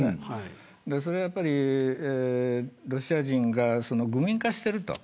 やっぱりロシア人が愚民化していると。